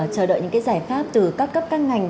chờ đợi những cái giải pháp từ các cấp các ngành